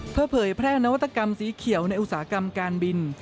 เพื่อเผยแพร่นวัตกรรมสีเขียวในอุตสาหกรรมการบิน